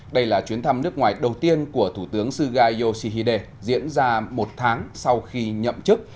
đây là chuyến thăm nước ngoài đầu tiên của thủ tướng suga yoshihide diễn ra một tháng sau khi nhậm chức